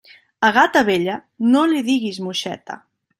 A gata vella, no li digues moixeta.